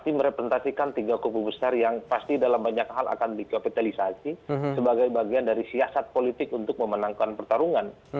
kita merepresentasikan tiga kubu besar yang pasti dalam banyak hal akan dikapitalisasi sebagai bagian dari siasat politik untuk memenangkan pertarungan